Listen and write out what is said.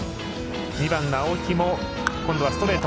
２番の青木も今度はストレート。